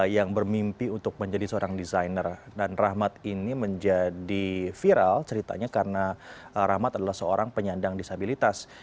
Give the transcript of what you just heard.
yang bermimpi untuk menjadi seorang desainer dan rahmat ini menjadi viral ceritanya karena rahmat adalah seorang penyandang disabilitas